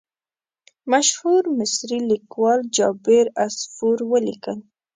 مشهور مصري لیکوال جابر عصفور ولیکل.